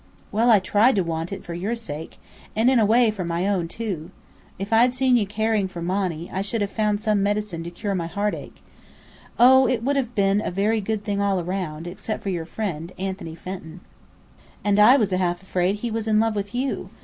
"Well, I tried to want it, for your sake; and in a way for my own, too. If I'd seen you caring for Monny, I should have found some medicine to cure my heartache. Oh, it would have been a very good thing all around, except for your friend, Anthony Fenton." "And I was half afraid he was in love with you!